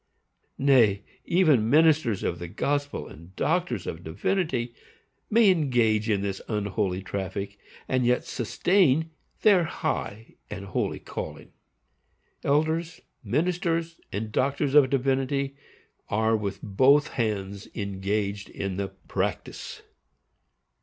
Nay, even ministers of the gospel and doctors of divinity may engage in this unholy traffic, and yet sustain their high and holy calling. Elders, ministers, and doctors of divinity, are, with both hands, engaged in the practice.